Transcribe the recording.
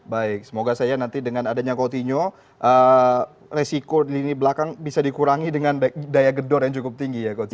baik semoga saya nanti dengan adanya coutinho resiko di lini belakang bisa dikurangi dengan daya gedor yang cukup tinggi ya coach